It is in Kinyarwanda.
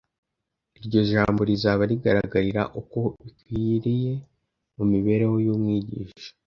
iryo jambo rizaba rigaragarira uko bikwiriye mu mibereho y’umwigisha.